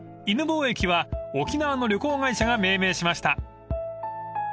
犬吠駅は沖縄の旅行会社が命名しました］